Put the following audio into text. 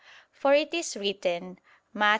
For it is written (Matt.